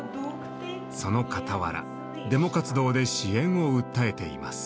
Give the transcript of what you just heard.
そのかたわらデモ活動で支援を訴えています。